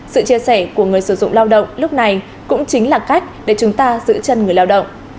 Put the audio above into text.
sự chia sẻ của người sử dụng lao động lúc này cũng chính là cách để chúng ta giữ chân người lao động